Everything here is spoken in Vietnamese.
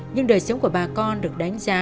nhưng đời sống của bà con được đánh giá